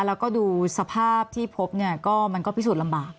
แล้วก็ดูสภาพที่พบเนี่ยก็มันก็พิสูจน์ลำบาก